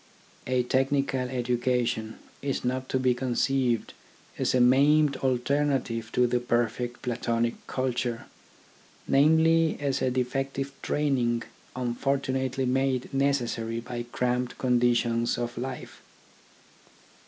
A technical education is not to be conceived as a maimed alternative to the perfect Platonic culture : namely, as a defective training unfortu nately made necessary by cramped conditions of life.